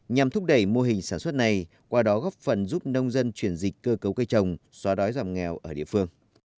nhằm thúc đẩy mô hình sản xuất này qua đó góp phần giúp nông dân chuyển dịch cơ cấu cây trồng xóa đói giảm nghèo ở địa phương